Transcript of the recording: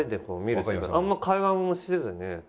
あんまり会話もせずに。